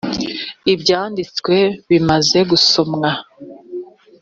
ibyanditswe bimaze gusomwa